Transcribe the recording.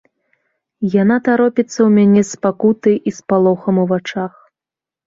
Яна таропіцца ў мяне з пакутай і спалохам у вачах.